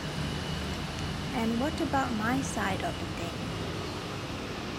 And what about my side of the thing?